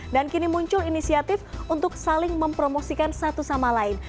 dan kini muncul inisiatif untuk saling mempromosikan satu sama lain